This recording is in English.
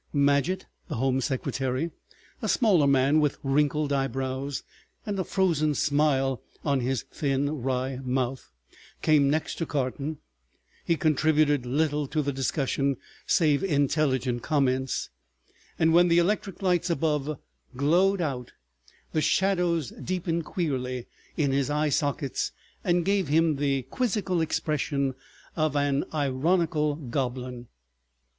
Madgett, the Home Secretary, a smaller man with wrinkled eyebrows and a frozen smile on his thin wry mouth, came next to Carton; he contributed little to the discussion save intelligent comments, and when the electric lights above glowed out, the shadows deepened queerly in his eye sockets and gave him the quizzical expression of an ironical goblin.